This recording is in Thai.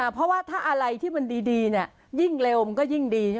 เพราะว่าถ้าอะไรที่มันดียิ่งเร็วมันก็ยิ่งดี